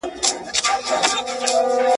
سمدستي به ټولي سر سوې په خوړلو !.